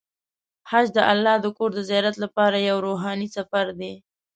حج د الله د کور د زیارت لپاره یو روحاني سفر دی.